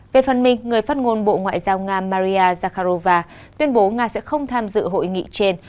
về phần mình người phát ngôn bộ ngoại giao nga maria zakharova tuyên bố nga sẽ không tham dự hội nghị trên